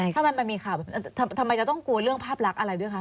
ถ้ามันมีข่าวทำไมจะต้องกลัวเรื่องภาพลักษณ์อะไรด้วยคะ